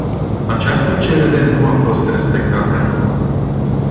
Această cerere nu a fost respectată.